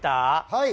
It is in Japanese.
はい。